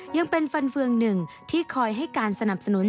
ยังเป็นฟันเฟืองหนึ่งที่คอยให้การสนับสนุน